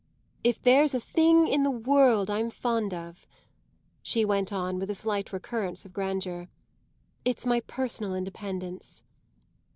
If there's a thing in the world I'm fond of," she went on with a slight recurrence of grandeur, "it's my personal independence."